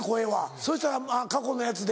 そしたら過去のやつで。